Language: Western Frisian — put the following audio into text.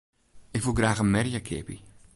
Ik woe graach in merje keapje.